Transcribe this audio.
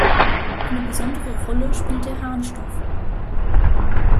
Eine besondere Rolle spielt der Harnstoff.